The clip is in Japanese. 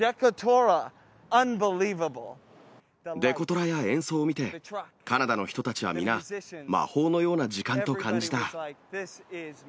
デコトラや演奏を見て、カナダの人たちは皆、魔法のような時間と感じた。